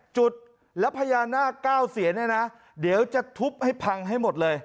จุดแล้วพญานาค๙เสียนเนี่ยนะเดี๋ยวจะทุบให้พังให้หมดเลย